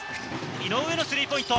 井上のスリーポイント。